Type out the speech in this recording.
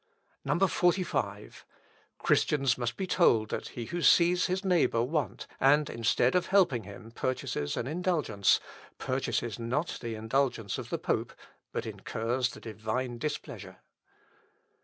45. "Christians must be told that he who sees his neighbour want, and, instead of helping him, purchases an indulgence, purchases not the indulgence of the pope, but incurs the Divine displeasure.